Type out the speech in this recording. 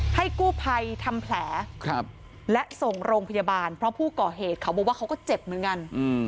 ให้กู้ภัยทำแผลและส่งโรงพยาบาลเพราะผู้ก่อเหตุเขาบอกว่าเขาก็เจ็บเหมือนกัน